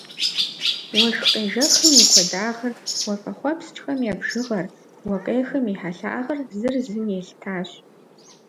Уэшх къежэхым и куэдагъыр, уафэхъуэпскӏхэм я бжыгъэр, уэ къехым и хьэлъагъыр зыр зым елъытащ.